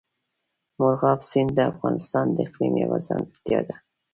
مورغاب سیند د افغانستان د اقلیم یوه ځانګړتیا ده.